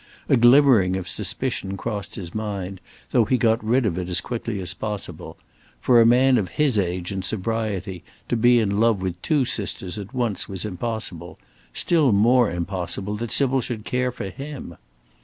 A glimmering of suspicion crossed his mind, though he got rid of it as quickly as possible. For a man of his age and sobriety to be in love with two sisters at once was impossible; still more impossible that Sybil should care for him.